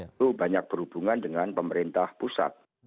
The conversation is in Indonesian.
itu banyak berhubungan dengan pemerintah pusat